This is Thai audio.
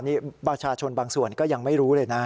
นี่ประชาชนบางส่วนก็ยังไม่รู้เลยนะ